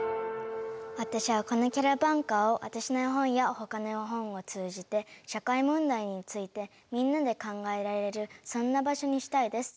私はこのキャラバンカーを私の絵本や他の絵本を通じて社会問題についてみんなで考えられるそんな場所にしたいです。